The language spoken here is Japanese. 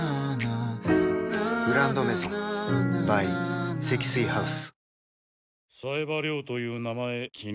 「グランドメゾン」ｂｙ 積水ハウス